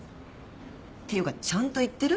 ていうかちゃんと言ってる？